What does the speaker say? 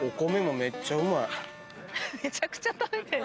めちゃくちゃ食べてる。